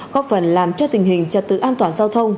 góp phần làm cho tình hình trật tự an toàn giao thông